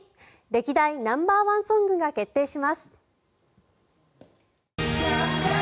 歴代ナンバーワンソングが決定します。